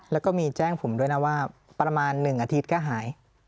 แล้วก็มีแจ้งผมด้วยนะว่าประมาณ๑อาทิตย์ก็หาย